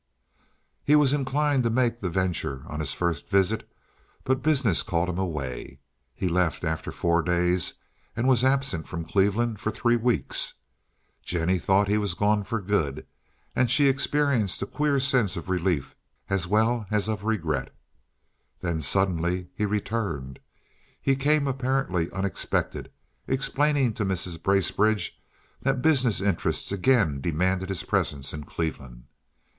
He was inclined to make the venture on his first visit, but business called him away; he left after four days and was absent from Cleveland for three weeks. Jennie thought he was gone for good, and she experienced a queer sense of relief as well as of regret. Then, suddenly, he returned. He came apparently unexpectedly, explaining to Mrs. Bracebridge that business interests again demanded his presence in Cleveland.